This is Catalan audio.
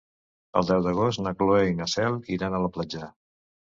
El deu d'agost na Cloè i na Cel iran a la platja.